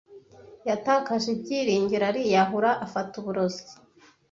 Yatakaje ibyiringiro ariyahura afata uburozi.